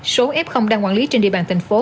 số f đang quản lý trên địa bàn thành phố